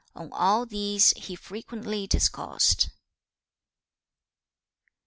On all these he frequently discoursed.